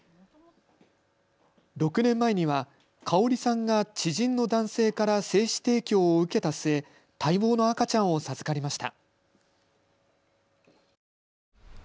６年前にはカオリさんが知人の男性から精子提供を受けた末、待望の赤ちゃんを授かりました。